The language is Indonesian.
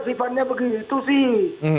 sifatnya begitu sih